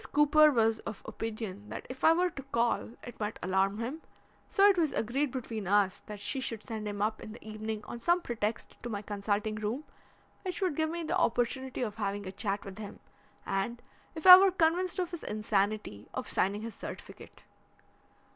Cooper was of opinion that if I were to call it might alarm him, so it was agreed between us that she should send him up in the evening on some pretext to my consulting room, which would give me the opportunity of having a chat with him and, if I were convinced of his insanity, of signing his certificate.